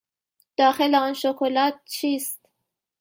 داخل آن شکلات چیست؟